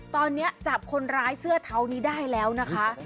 ตอนนี้จับคนร้ายเสื้อเทานี้ได้แล้วนะคะ